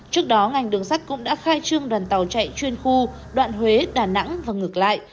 trước đó ngành đường sắt cũng đã khai trương đoàn tàu chạy chuyên khu đoạn huế đà nẵng và ngược lại